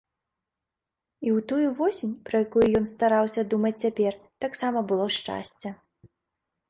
І ў тую восень, пра якую ён стараўся думаць цяпер, таксама было шчасце.